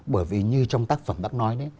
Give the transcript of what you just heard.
bởi vì như trong tác phẩm bác nói